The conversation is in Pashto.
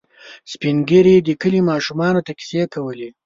سپين ږیري د کلي ماشومانو ته کیسې کولې.